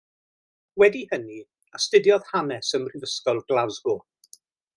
Wedi hynny astudiodd Hanes ym Mhrifysgol Glasgow.